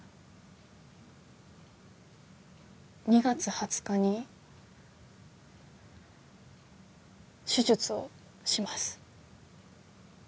２月２０日に手術をします